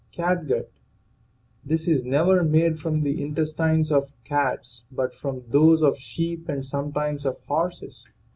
CATGUT. This is never made from the intestines of cats but from those of sheep and sometimes of horses.